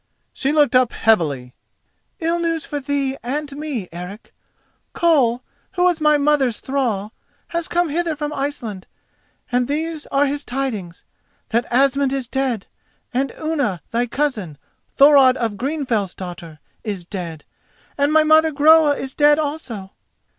She looked up heavily. "Ill news for thee and me, Eric. Koll, who was my mother's thrall, has come hither from Iceland, and these are his tidings: that Asmund is dead, and Unna, thy cousin, Thorod of Greenfell's daughter, is dead, and my mother Groa is dead also."